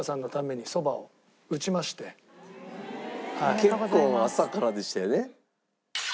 結構朝からでしたよね。